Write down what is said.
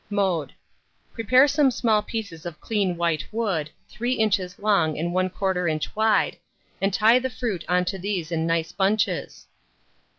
Mode. Prepare some small pieces of clean white wood, 3 inches long and 1/4 inch wide, and tie the fruit on to these in nice bunches.